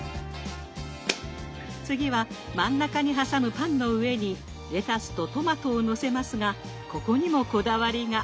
次は真ん中に挟むパンの上にレタスとトマトをのせますがここにもこだわりが！